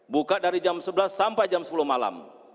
buka dari jam sebelas sampai jam sepuluh malam